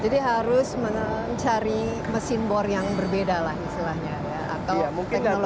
jadi harus mencari mesin bor yang berbeda lah istilahnya ya atau teknologi yang berbeda